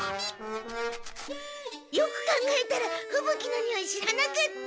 よく考えたらふぶ鬼のにおい知らなかった。